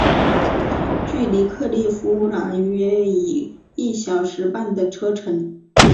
距离克利夫兰约一小时半的车程。